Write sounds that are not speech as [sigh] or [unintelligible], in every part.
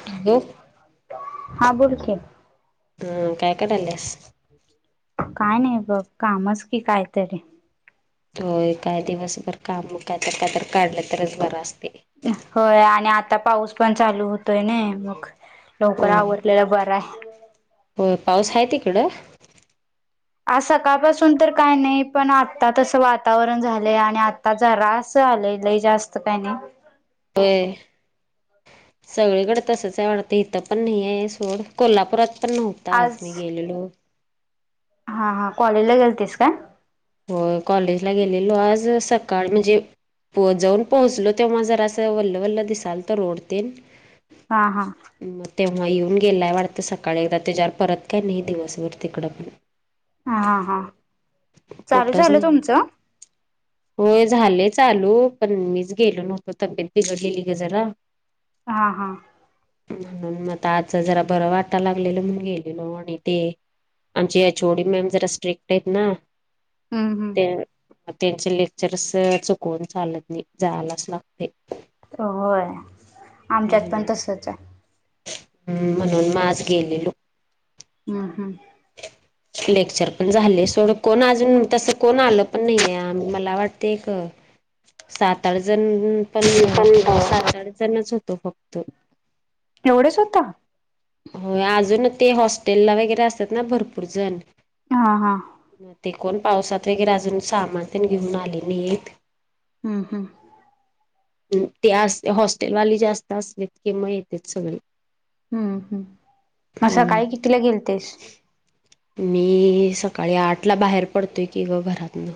[unintelligible] हा बोल की ह काय कडयल्यास [inaudible] काय नाही बघ कामच की कायतरी त काय दिवसभर काम काय तर का तर काढलं तरच बरं असते होय आणि आता पाऊस पण चालू होतोय ना मग लवकर होय आवरलेल बर आहे होय पाऊस हाय तकडं आज सकाळपासून तर काय नाही पण आत्ता तसं वातावरण झालंय आणि आ त्या जरास आलाय लय जास्त काही नाही होय सगळीकडे तसंच आहे आडतं इथं पण नाही आहे सोड कोल्हापुरात पण नव्हतं आज मी गेलेलो हा हा कॉलेज ला गेलतीस काय हो कॉलेजला गेलेलो आज सकाळ म्हणजे प जाऊन पोहोचलो तेव्हा जरा असं वल्ल वल्ल दिसाल तर रोड तेन. हा हा. मग तेव्हा येऊन गेलाय वाटतं सकाळी एकदा त्याच्यावर परत काय नाही दिवसभर तिकडं पण.. हा हा हा. चालू कोट्टाचं झालं नाहीं. तुमचं होय झाले चालू पण मीच गेलो नव्हतो तब्येत बिघडलेली ग जरा [unintelligible] हा हा म्हणून मता आज जरा बरं वाटा लागलेल म्हणून गेलेलो आणि ते आमची एचओडी मॅम जरा स्ट्रिक्ट आहेत ना हम् हम. ते त्यांचे लेक्चरस चुकवून चालत नाही जआलाच लागते. होय आमच्यात पण तसच आहे. हम् म्हणून आज गेलेलो. हम् हम्. रिकामा ऑडिओ लेक्चर पण झाले सोडं कोण अजून तसं कोण आलं पण नाही मला वाटते एक.. सात आठ जण पण हा सात आठ जणच होतो फक्त. एवढंच होत. हो अजून ते हॉस्टेलला वगैरे असतात ना भरपूर जण. हा हा. मग ते कोण पावसात वगैरे अजून सामान पण घेऊन आलेली आहेत. हम् हम्. ते अस हॉस्टेलवाली जास्त असले किंवा येत सगळे. हम्म हम्म. मग हम्. सकाळी कितीला गेलतीस? मी सकाळी आठ ला बाहेर पडतोय की ग घरातन.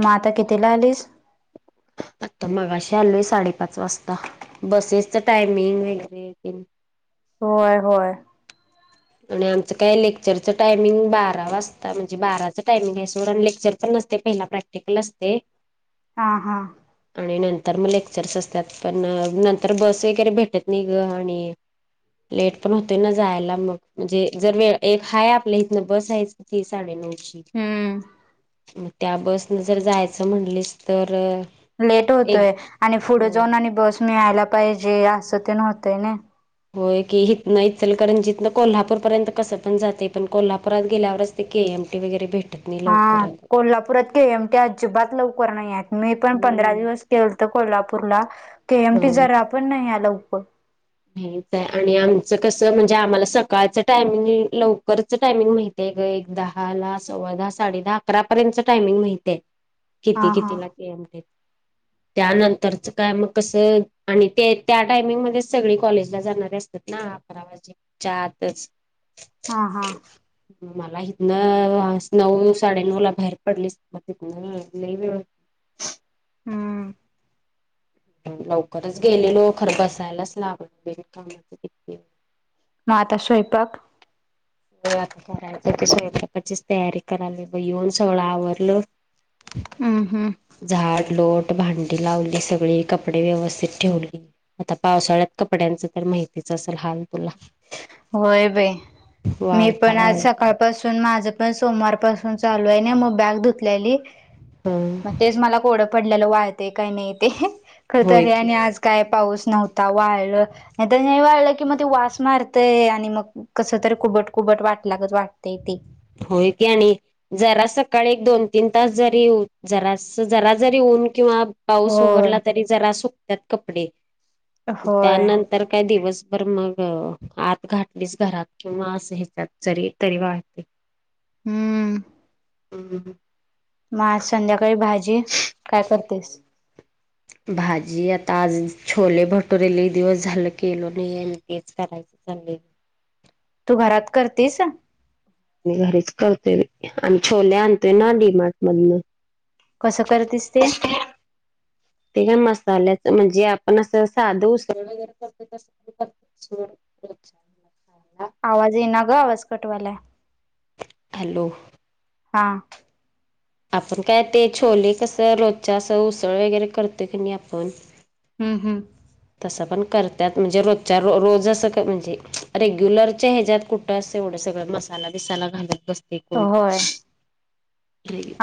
मग आता कितीला आलीस? आता मगाशी आलोय साडेपाच वाजता बसेसच टायमिंग वगरे.. होय होय. आणि आमचं काय लेक्चरचं टायमिंग बारा वाजता म्हणजे बाराचं टायमिंग आहे सोडं आणि लेक्चर... पण नते पहिला प्रॅक्टिकल असते. हा हा. आणि नंतर मग लेक्चर्स असतात पण नंतर बस वगैरे भेटत नाही ग आणि.. लेट पण होते ना जायला मग. म्हणजे जर वेळ एक हा आपल्या इथन बस आहे ती साडे नऊची. हम्म मग त्या बसन जर जायचं म्हणलीस तर.. लेट एक होतोय आणि पुढे जाऊन आणि बस मिळायला पाहिजे असं ते नव्हतंय ना. होय की हित नाही इ चल कारण जथनं कोल्हापूरपर्यंत कसं पण जाते पण कोल्हापुरात गेल्यावरच... ते के एमटी वगैेऱे भेट हा कोल्हापुरात के एमट्या अ जिबात लवकर नाही आहेत. मी पण पंधरा हम्म दिवस गेलत कोल्हापूरला केएमटी जरा पण नाही आ लवकर. नाहीच आहे आणि आमचं कसं म्हणजे आम्हाला सकाळचं टायमिंग लवकरच टायमिंग माहि ते एक दहा ला सव्वा दहा साडे दहा अकरा पर्यंतच टायमिंग माहितय किती हा हा किती ला.. त्यानंतरच काय मग कस आणि ते त्या टायमिंग मध्येचं... सगळी कॉलेज ला जाणारे असतात ना अकरा वाजच्या आतच.. हा हा. हम. मला हिथनं नऊ साडेनऊ ला बाहेर पडलीस मग तिथनं लई वेळ हम्म. लवकरच गेलेलो खर बसायलाच लागल बिन कामाचं मग आता स्वयंपाक. आता करायच ते स्वयंपाकाचीच तयारी करायला येऊन सगळं आवरलं. रिकामा ऑडिओ हम्म हम्म झाड लोट भांडी लावली सगळी कपडे व्यवस्थित ठेवली. आता पावसाळ्यात कपड्यांच तर माहितीच असेल हाल तुला होय बाई मी वाळता पण आज वाळत सकाळ पासून माझं पण सोमवार पाासून चालू आहे ना मग बॅग धुतलेली ह मग तेच मला कोडं पडलेलं वाळते काही नाही ते होय खतरी की आणि आज काय पाऊस नव्हता वाळलं नाही वाळलं की मग ते वास मारतेय आणि मग कस तरी कुबट कुबट वाटलागत वाटतेय ती होय क्याणी जरा सकाळी एक दोन तीन तास जरीऊ जरा जरा जरी ऊन किंवा पाऊस होय उघडला तरी जरा सुकतात कपडे होय त्यानंतर तर काही दिवसभर मग आत घाटलीस घरात किंवा अस ह्याच्यात जरी तरी वाहते हम्म हम्म मग आज संध्याकाळी भाजी काय करतेस भाजी आता आज छोले भटुरेले दिवस झाल केल नाही तेच करायच संलेडे तू घरात करतेस म घरीच करतोय आणि छोले आणतोय ना डीमार्ट मधन कसं करतस ते ते काय मसाल्याच म्हणजे आपण असं साध उगैरे [inaudible] हा आवाज ये ना ग आवाज कटवाला हॅलो हा आपण काय ते छोले कसं रोजच्या असं उसळ वगैरे करतोय की नाही आपण हम्म हम् तसं पण करतात म्हणजे रजच्या रोज असं म्हणजे रेग्युलरच्या ह्याच्यात कुठ अस एवढं सगळं मसाला बसाला घालत बसते एकूण होय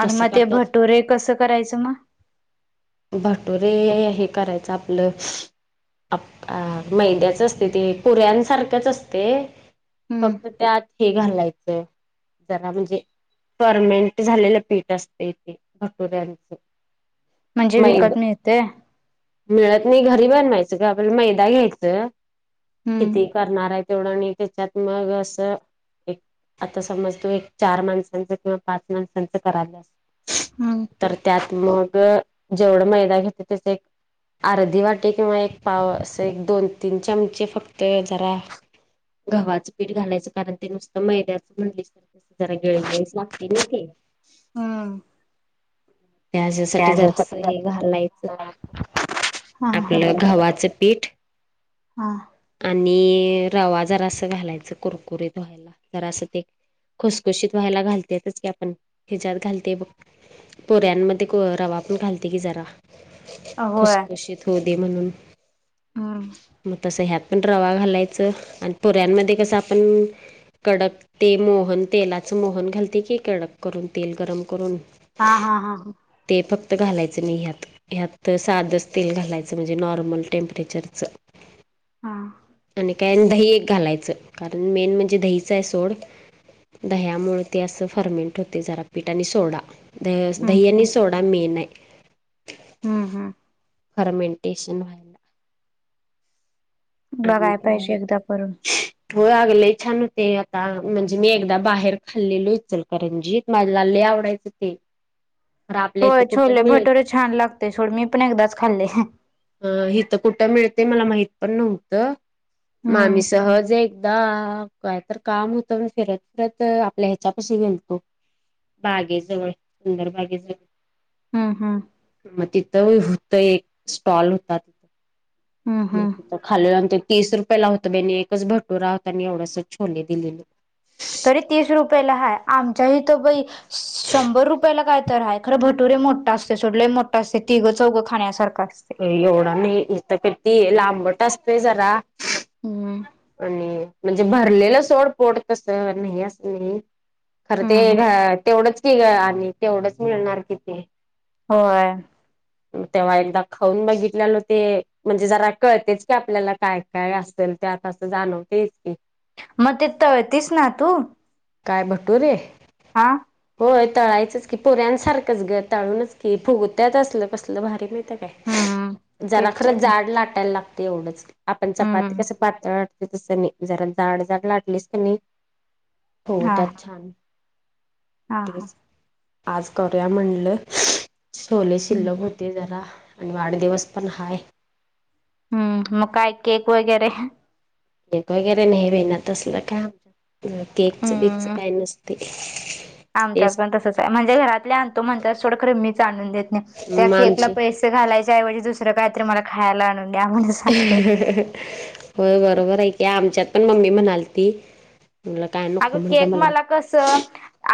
आणि मग ते भटुरे कसं करायचं मग भटोरे हे करायचं आपलं अ मैद्याच असते ते पुऱ्यांसारख्याच असते हम्म फक्त त्यात हे घालायचं जरा म्हणजे फर्मेंट झालेलं पीठ असत इथे भटुऱ्यांच म्हणजे विकत मिळते मिळत नाही घरी बनवायचं का आपल्याला मैदा घ्यायचं हम्म किती करणार आहे तेवढं आणि त्याच्यात मग असं आता समज तू एक चार माणसांच किंवा पाच माणसांचं करायला अस हं तर त्यात मग जेवढं मैदा घेते त्याच एक अर्धी वाटे किंवा एक पाव असं एक दोन तीन चमचे फक्त जरा गव्हाचं पीठ घालायचं कारण ते नुसत मैद्याचं म्हणली जरा गेळेगळेस लागते नाही ते हम् त्याच्यासाठी जरस जात हे घालायचं हा हा आपलं गव्हाचं पीठ हा आणि रवा जरा असं घालायचं कुरकुरीतधुवायला जर असं ते खसखुशीत व्हायला घालतेच की आपण हिजत घालते बघ पोऱ्यांमध्ये रवा पण घालते की जरा खसखुशीत होऊ दे म्हणून हा मग तसं ह्यात पण रवा घालायचं आणि पुोऱ्यांमध्ये कसं आपण कडक ते मोहन तेलाच मोहन घालते की कडक करून तेल गरम करून हा हा हा हा ते फक्त घालायचं नाही आहेतत ह्यात साधच तेल घालायचं म्हणजे नॉर्मल टेम्परेचरचं हा आणि काय दही एक घालायचं कारण मेन म्हणजे दहीचं आहे सोड दह्यामुळे ते असं फर्मेंट होते जरापीठ आणि सोडा द दहनी हम्म सोडा मेन आहे हम्म हम्म फर्मेंटेशन व्हा अ बघाय का पाहिजे एकदा करून ो आगले छान होते आता म्हणजे मी एकदा बाहेर खाल्लेलोचल करंजीत माझ्या लाले आवडायचं ते खर आपल्या इथ होय कुठे छोले मिळल भटुरे छान लागते सोड मी पण एकदाच खाल्ले अ हिथं कुठं मिळते मला माहित पण नव्हतं मग आम्ही हम्म सहज आहे एकदा कायत काम होतं मण फिरत फिरत आपल्या ह्याच्यापशी गेलतो बागेजवळ सुंदर बागेजवळ हम्म हम् मग तिथं होत एक स्टॉल होता हम्म हम्म तिथ खालेलंंत ते तीस रुपयाे ला होतं बेणी एकच भटूरा होता आणि एवढ्यास छोले दिलेले तरी तीस रुपयाला हा आमच्या हथ बाई शंभर रुपयाला काय तर ह खरं भर कटुरे मोठा असते सोडले मोठा असते तिघ चौघं खाण्यासारखं असते एवढा नाही इथ किती लांबट असतोय जरा हम्म आणि म्हणजे भरलेलं सोड पोड कसं नाही असं नाही खरं ते हम्म घ हम्म तेवढंच आणि तेवढंच मिळणार किथ होय तेव्हा एकदा खाऊन बघितलेल हो ते म्हणजे जरा कळतेच की आपल्याला काय काय असेल त्या आत असं जाणवतेच की मग तिथ तरतीस ना तू काय भटूरे हा होय तळायचंच की पोऱ्यांसारखंच घ तळूनच की फुगुत्याच असलं कसलं भारी मात हम्म काय जरा तेच खरं की जाड लाटायला लागत एवढंच आपण चपाती हम्म कसं पातळ लाटते तसं नाही जरा जाड जाड लाटलीस त नाही हो हा त्यात छान हा हा तेच आज कर्या म्हणलं छोले हम्म शिल्लो म्ह ते जरा आणि वाढदिवस पण हाय हम्म मकाय केक वगैरे बक वगैरे नाही भेनात असलं का केकच बीकच हम्म काही नसते आमच्यात तेच पण तसच आहे म्हणजे घरातले आणतो म्हणज थोडं खरे मीच आणून देत नाही त्या मग केकला आमची पैसे घालायच्याऐवजी दुसर काहीत्री मला खायला आणून द्याण सांगत. ह होय बरोबर ऐक आमच्यात पण मम्मी म्हणाल ती म काय अग केक म अग कस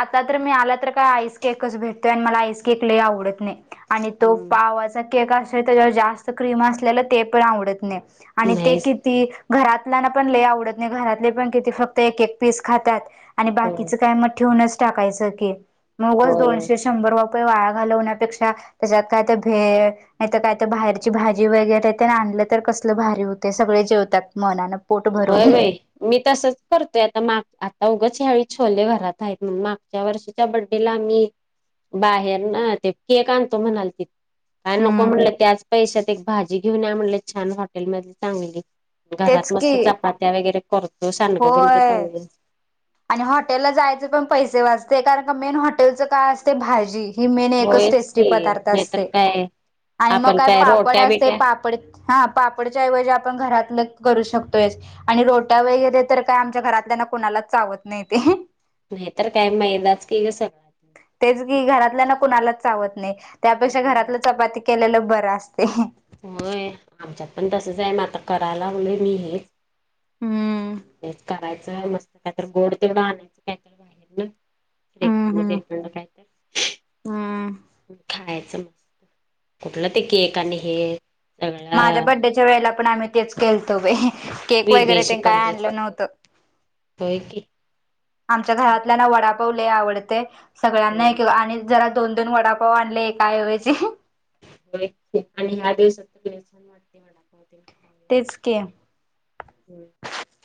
आता तर मी आला तर काय आईस केकच भेटतोय आणि मला आईस केक ल आवडत नाही. आणि तो हम्म पावाचा केक असे त्याच्यावर जास्त क्रीम असलेला ते पण आवडत नाही आणि ते नाहीच. किती घरातल्या ना पण ले आवडत नाही घरातले पण किती फक्त एक एक बा हो. का होय. ट शंभर रुपये वाळा घालवण्यापेक्षा त्याच्यात काय तर भे नाही तर काय तर बाहेरची भाजी वगैरे ते आणलं तर कसलं भारी होते. सगळे जेवतात मनान. भय बाई. मी तसच करतोय आता माग आता उगच ह्याळी छोले घरात आहेतण मागच्या वर्षी. च्या बड्डेला आम्ही बाहेर ते केक आणतो. म्हणाल तिथ. काय नको हम्म म्हणलं त्याच पैशात एक भाजी घेऊन या म्हणले छान हॉटेल मध चांगली घरात. तेच की चपात्या वगैरे करतो. सांडगं बिणग. होय. आणि हॉटेलला जायचे पण पैसे वाचते. कारण का मेन हॉटेलचं काय असते भाजी. ही मेन एकच होयच टेस्टी की पदार्थ नाहीतर असते. काय आणि मग आपण काय पापड रोट्या असते बिट्या पापड. हा पापडच्या ऐवजी आपण घरातलं करू शकतोय.. आणि रोट्या वगैरे तर काय आमच्या घरातल्या ना कोणाला चावत नाही. ते. नाहीतर काय मैदाच कीस. तेच की घरातल्या ना कुणाला चावत नाही. त्यापेक्षा हम्म. घरातलं चपाती. केलेलं बरं असते.. होय आमच्यात पण तसंच आहे. म आता करायला लागल मी हेच. हम्म. हेच करायचं मस्त काहीत गोड तेवढं आणायचं काहीतरी बाहेर ना. हम्म रेकंड हम्म रेखंड कायत हम्म खायचं मस्त. कुठलं ते केक आणि हे. माझ्या सगळं बड्डेच्या वेळेला पण आम्ही तेच खेळतो व. केक वगैरे विदेशी ते काय पद्धत आणलं नव्हतं.. होय की आमच्या घरातल्या ना वडापावले आवडते. सगळ्यांना होय के आणि जरा. दोन दोन वडापाव आणले एकाऐवजी. आणि ह्या दिवसात वडापाव ते. तेच की. हम्.